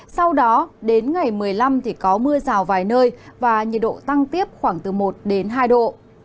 sau đó đến ngày một mươi năm thì có mưa rào vài nơi và nhiệt độ tăng tiếp khoảng từ một hai độ